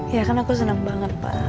iya kan aku seneng banget pak